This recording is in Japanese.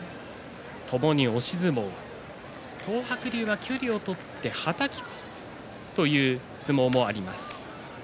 ともに押し相撲、東白龍は距離を取ってはたきという相撲もあります。